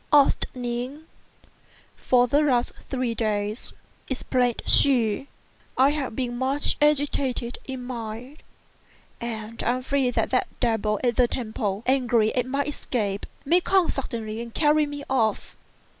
asked Ning. "For the last three days," explained she, "I have been much agitated in mind; and I fear that the devil at the temple, angry at my escape, may come suddenly and carry me off."